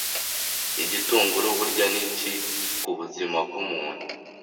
Igitunguru burya niki kubuzima bw'umuntu